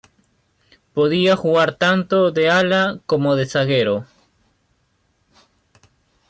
Podía jugar tanto de ala como de zaguero.